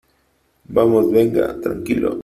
vamos . venga . tranquilo .